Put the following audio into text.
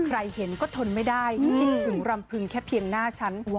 ใครเห็นก็ทนไม่ได้คิดถึงรำพึงแค่เพียงหน้าฉัน